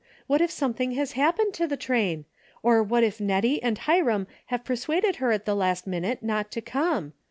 What if something has happened to the train ? Or what if Nettie and Hiram have persuaded her at the last minute not to come